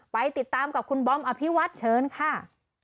ไปติดตามกับคุณบอมอภิวัฒน์เชิญค่ะ